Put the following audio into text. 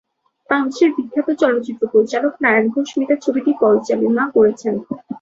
বাংলাদেশের বিখ্যাত চলচ্চিত্র পরিচালক নারায়ণ ঘোষ মিতা ছবিটি পরিচালনা করেছেন।